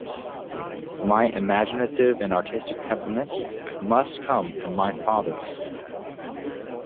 My imaginative and artistic temperament must come from my father's side.